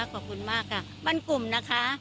ขอบคุณมากค่ะบ้านกลุ่มนะคะ